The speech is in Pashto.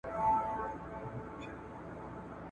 پرېږده چي دا سره لمبه په خوله لري,